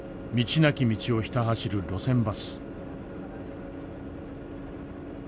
なき道をひた走る路線バス。